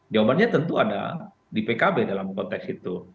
jawabannya tentu ada di pkb dalam konteks itu